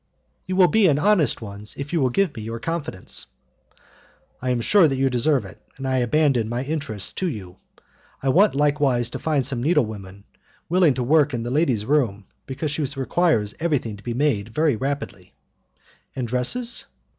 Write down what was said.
"You will be in honest ones, if you will give me your confidence." "I am sure that you deserve it, and I abandon my interests to you. I want likewise to find some needlewomen willing to work in the lady's room, because she requires everything to be made very rapidly." "And dresses?"